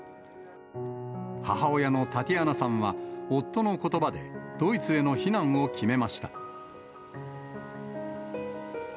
母親のタティアナさんは、夫のことばで、ドイツへの避難を決めました。